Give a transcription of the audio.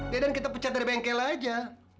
ya dan kita pecat dari bengkel aja